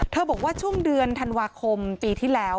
บอกว่าช่วงเดือนธันวาคมปีที่แล้ว